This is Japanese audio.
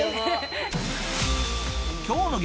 今日の激